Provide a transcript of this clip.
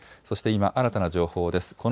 そして今、新たな情報です。